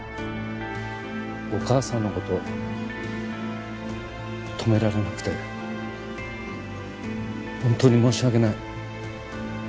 お母さんのこと止められなくて本当に申し訳ない。